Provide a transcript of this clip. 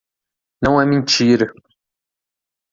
Não é mentira.